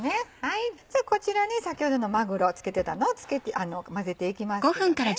じゃあこちらに先ほどのまぐろを漬けてたのを混ぜていきます。